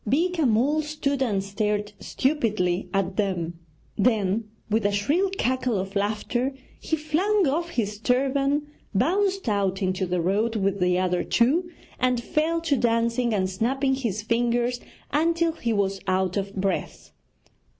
Beeka Mull stood and stared stupidly at them; then, with a shrill cackle of laughter, he flung off his turban, bounced out into the road with the other two, and fell to dancing and snapping his fingers until he was out of breath.